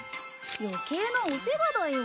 余計なお世話だよ。